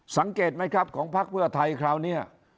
สังเกตไหมครับของพักเพื่อไทยคราวนี้